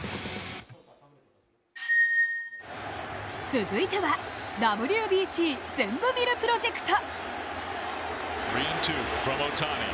続いてはＷＢＣぜんぶ見るプロジェクト。